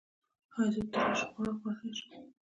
ایا زه ترش خواړه خوړلی شم؟